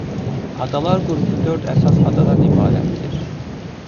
Adalar qrupu dörd əsas adadan ibarətdir.